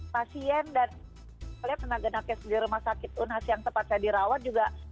pasien dan saya lihat tenaga tenaga di rumah sakit yang sempat saya dirawat juga